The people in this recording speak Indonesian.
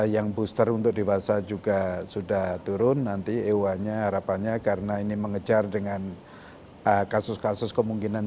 yang booster untuk dewasa juga sudah turun nanti eua nya harapannya karena ini mengejar dengan kasus kasus kemungkinan